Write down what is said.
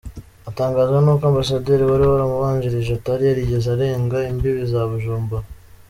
Atangazwa n’ uko ambassadeur wari waramubanjirije atari yarigeze arenga imbibi za Bujumbura.